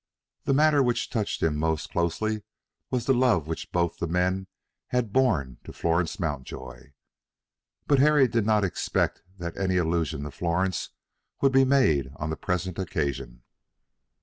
The matter which touched him most closely was the love which both the men had borne to Florence Mountjoy; but Harry did not expect that any allusion to Florence would be made on the present occasion.